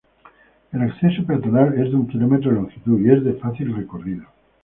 El acceso peatonal es de un km de longitud y es de fácil recorrido.